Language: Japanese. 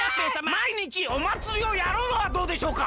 まいにちおまつりをやるのはどうでしょうか？